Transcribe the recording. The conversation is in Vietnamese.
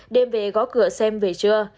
đêm về gõ cửa xem về trưa